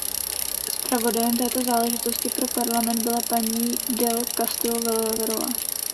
Zpravodajem této záležitosti pro Parlament byla paní del Castillo Verová.